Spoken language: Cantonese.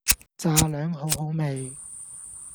炸両好好味